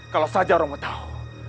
kalau saja romo tahu